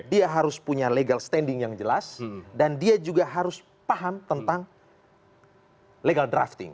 dia harus punya legal standing yang jelas dan dia juga harus paham tentang legal drafting